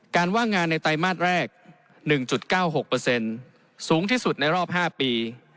ว่างงานในไตรมาสแรก๑๙๖สูงที่สุดในรอบ๕ปี